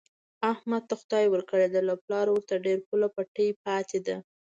احمد ته خدای ورکړې ده، له پلاره ورته ډېر پوله پټی پاتې دی.